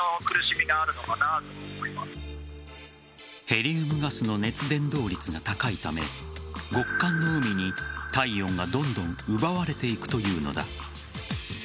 ヘリウムガスの熱伝導率が高いため極寒の海に体温がどんどん奪われていくというのだ。